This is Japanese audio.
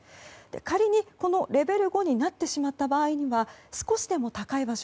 仮にレベル５になってしまった場合には少しでも高い場所